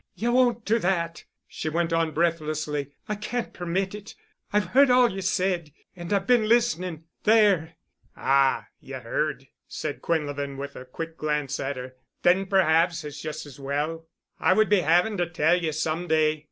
"You won't do that," she went on breathlessly. "I can't permit it. I've heard all you said. I've been listening— there——" "Ah, you heard," said Quinlevin with a quick glance at her. "Then perhaps it's just as well. I would be having to tell you some day."